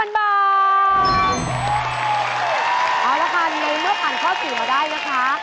เอาละค่ะในเมื่อผ่านข้อ๔มาได้นะคะ